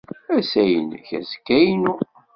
Assa inek, azekka inu.